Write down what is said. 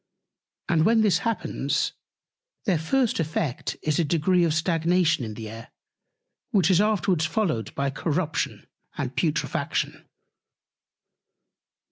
And when this happens, their first effect is a Degree of Stagnation in the Air, which is afterwards followed by Corruption and Putrefaction.